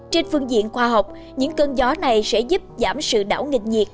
trên phương diện khoa học những cơn gió này sẽ giúp giảm sự đảo nghịch nhiệt